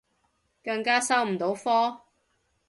更加收唔到科